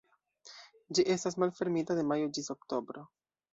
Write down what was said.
Ĝi estas malfermita de majo ĝis oktobro.